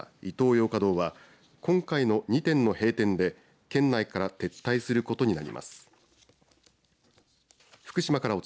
ヨーカドーは今回の２店の閉店で県内から撤退することになります。